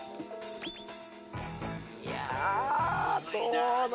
いやどうだ？